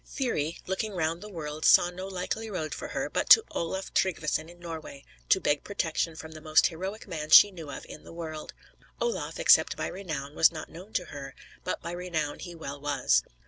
Thyri, looking round the world, saw no likely road for her, but to Olaf Tryggveson in Norway; to beg protection from the most heroic man she knew of in the world. Olaf, except by renown, was not known to her; but by renown he well was.